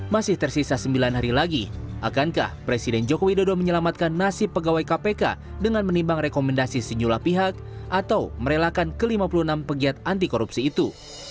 masih tersisa sembilan hari lagi akankah presiden joko widodo menyelamatkan nasib pegawai kpk dengan menimbang rekomendasi sejumlah pihak atau merelakan ke lima puluh enam pegiat anti korupsi itu